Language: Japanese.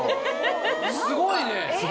すごいね。